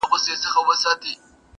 کوم ظالم چي مي افغان په کاڼو ولي,